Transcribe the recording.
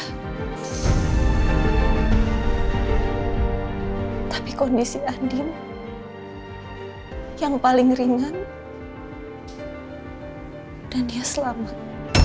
hai tapi kondisi andi yang paling ringan dan dia selamat